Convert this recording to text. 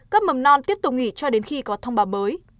cấp mầm non tiếp tục nghỉ cho đến khi có thông báo mới